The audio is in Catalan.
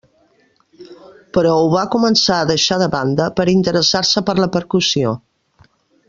Però ho va començar a deixar de banda, per interessar-se per la percussió.